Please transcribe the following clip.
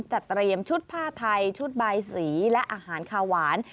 จัดเตรียมชุดผ้าไทยชุดบายสีและอาหารคาหวาน